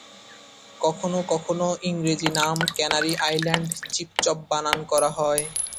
কখনও কখনও ইংরেজি নাম ক্যানারি আইল্যান্ড চিফচফ বানান করা হয়।